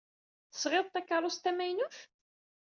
Tesɣid-d takeṛṛust tamaynut?